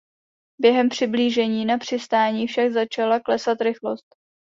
Během přiblížení na přistání však začala klesat rychlost.